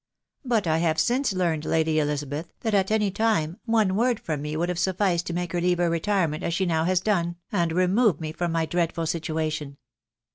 But I have since learned, Lady Elizabeth, that at any time one word from me would has* sufficed to make her leave her retirement, as she now has done and remove me from my dreadful situation.'